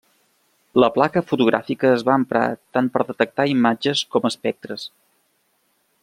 La placa fotogràfica es va emprar tant per detectar imatges com espectres.